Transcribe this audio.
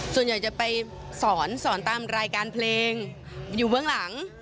ส่วนใหญ่จะไปสอนสอนตามรายการเพลงอยู่เบื้องหลัง